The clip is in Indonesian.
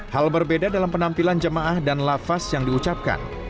hal berbeda dalam penampilan jemaah dan lafaz yang diucapkan